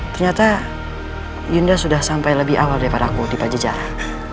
ternyata yunda sudah sampai lebih awal daripada aku di pajajaran